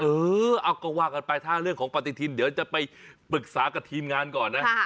เออเอาก็ว่ากันไปถ้าเรื่องของปฏิทินเดี๋ยวจะไปปรึกษากับทีมงานก่อนนะ